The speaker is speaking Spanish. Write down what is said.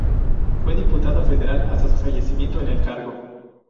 Fue diputado federal hasta su fallecimiento en el cargo.